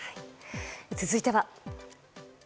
続いては。